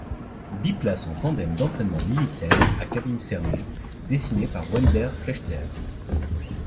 Biplace en tandem d'entraînement militaire à cabine fermée dessiné par Wendell Fletcher.